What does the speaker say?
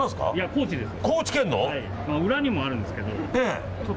高知です。